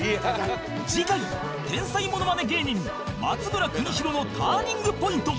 次回天才ものまね芸人松村邦洋のターニングポイント